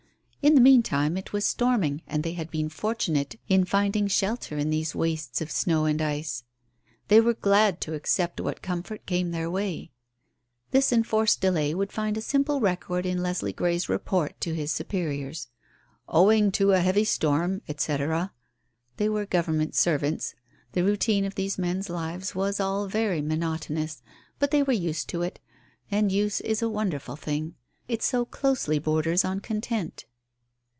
In the meantime it was storming, and they had been fortunate in finding shelter in these wastes of snow and ice; they were glad to accept what comfort came their way. This enforced delay would find a simple record in Leslie Grey's report to his superiors. "Owing to a heavy storm, etc." They were Government servants. The routine of these men's lives was all very monotonous, but they were used to it, and use is a wonderful thing. It so closely borders on content.